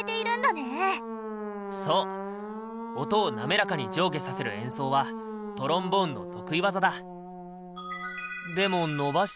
そう音をなめらかに上下させる演奏はトロンボーンの得意技だ。